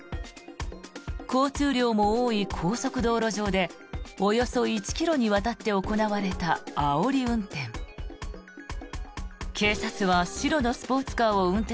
交通量も多い高速道路上でおよそ１ｋｍにわたって行われたあおり運転。